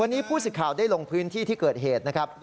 วันนี้ผู้สิทธิ์ข่าวได้ลงพื้นที่ที่เกิดเหตุนะครับ